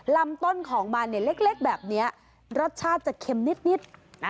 ลำต้นของมันเนี่ยเล็กแบบนี้รสชาติจะเค็มนิด